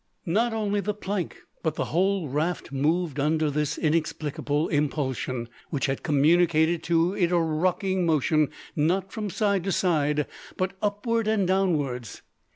Not only the plank, but the whole raft moved under this inexplicable impulsion, which had communicated to it a rocking motion, not from side to side, but upwards and downwards!